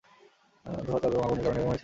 ধোয়া, তাপ এবং আগুনের কারণে হয়েছে এমন কিছু।